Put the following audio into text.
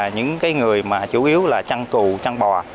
những người chủ yếu là chăn cù chăn bò